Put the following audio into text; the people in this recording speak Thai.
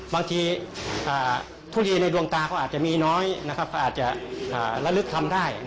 บางทีทุเรียนในดวงตาเขาอาจจะมีน้อยเขาอาจจะระลึกทำได้